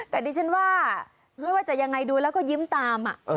แต่ดิฉันว่าไม่ว่าจะยังไงดูแล้วก็ยิ้มตาม